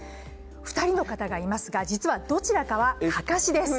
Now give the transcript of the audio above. ２人の方がいますが実はどちらかが、かかしです。